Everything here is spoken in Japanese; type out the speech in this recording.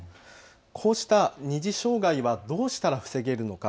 こうした二次障害はどうしたら防げるのか。